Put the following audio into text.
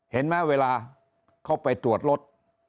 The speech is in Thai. เห็นไหมเวลาเขาไปตรวจรถ